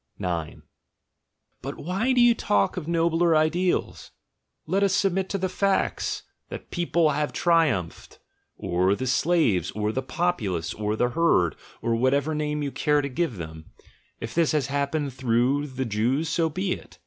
"But why do you talk of nobler ideals? Let us submit to the facts; that the people have triumphed — or the slaves, or the populace, or the herd, or whatever name you care to give them — if this has happened through the Jews, so be it!